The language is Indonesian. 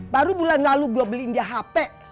baru bulan lalu gue beli dia hp